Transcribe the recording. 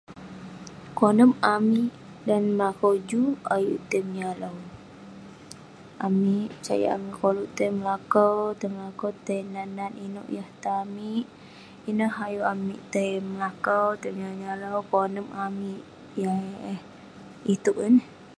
Konep amik dan melakau juk ayuk tai menyalau, amik sajak amik koluk tai melakau, tai nat nat inouk yah tan amik. Ineh ayuk tai melakau, tai menyalau konep amik yah eh itouk ineh.